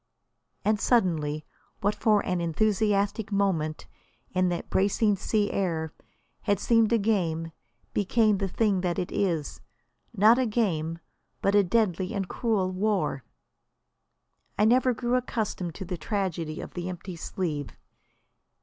And suddenly what for an enthusiastic moment, in that bracing sea air, had seemed a game, became the thing that it is, not a game, but a deadly and cruel war. I never grew accustomed to the tragedy of the empty sleeve.